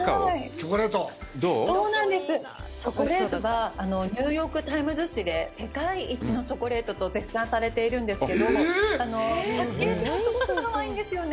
そうなんです、チョコレートがニューヨーク・タイムズ紙で世界一のチョコレートと絶賛されているんですけれども、パッケージもすごくかわいいんですよね。